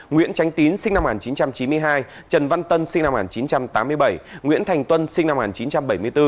nguyễn tránh tín sinh năm một nghìn chín trăm chín mươi hai trần văn tân sinh năm một nghìn chín trăm tám mươi bảy nguyễn thành tuân sinh năm một nghìn chín trăm bảy mươi bốn